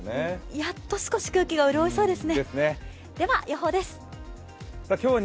やっと少し空気が潤いそうですね。